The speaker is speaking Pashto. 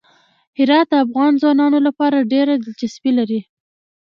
هرات د افغان ځوانانو لپاره ډېره دلچسپي لري.